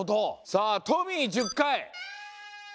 さあトミー１０回。